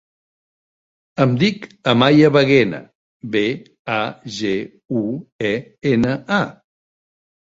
Em dic Amaya Baguena: be, a, ge, u, e, ena, a.